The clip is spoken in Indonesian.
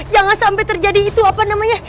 jangan sampai terjadi itu apa namanya